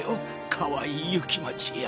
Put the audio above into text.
かわいい雪待や。